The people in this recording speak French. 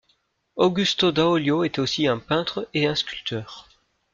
Augusto Daolio était aussi un peintre et un sculpteur.